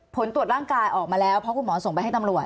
ผลตรวจร่างกายออกมาแล้วเพราะคุณหมอส่งไปให้ตำรวจ